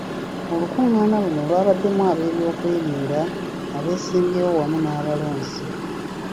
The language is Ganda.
Olukungaana luno olwabaddemu ab'ebyokwerinda, abeesimbyewo wamu n'abalonzi.